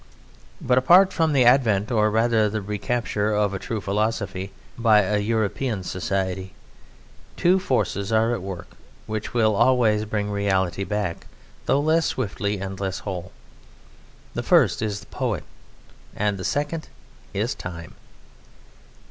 But, apart from the advent, or rather the recapture, of a true philosophy by a European society, two forces are at work which will always bring reality back, though less swiftly and less whole. The first is the poet, and the second is Time.